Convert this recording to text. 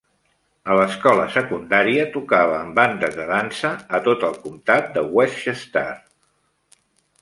A l'escola secundària, tocava en bandes de dansa a tot el comtat de Westchester.